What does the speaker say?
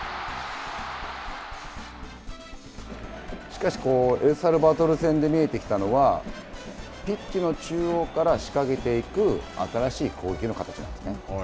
しかし、エルサルバドル戦で見えてきたのは、ピッチの中央から仕掛けていく新しい攻撃の形なんですね。